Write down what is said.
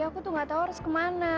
aku tuh gak tau harus kemana